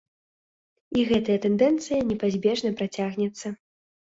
І гэтая тэндэнцыя непазбежна працягнецца.